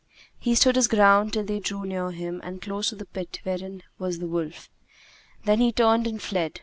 He stood his ground till they drew near him and close to the pit wherein was the wolf; and then he turned and fled.